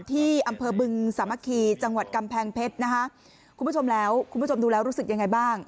ที่อำเภอบึงสามัคคีจังหวัดกำแพงเพชรคุณผู้ชมดูแล้วรู้สึกยังไงบ้าง